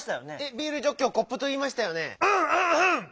「ビールジョッキ」を「コップ」といいましたよね。